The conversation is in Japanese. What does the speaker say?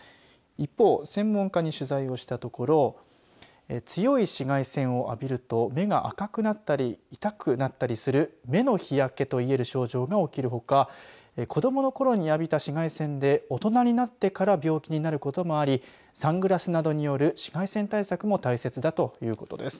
一方、専門家に取材をしたところ強い紫外線を浴びると目が赤くなったりいたくなったりする目の日焼けといえる症状が起きるほか子どものころに浴びた紫外線で大人になってから病気になることもありサングラスなどによる紫外線対策も大切だということです。